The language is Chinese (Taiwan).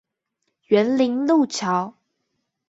員林陸橋